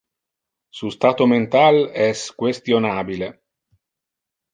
Su stato mental es questionabile.